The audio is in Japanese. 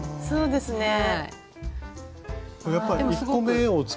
そうですね。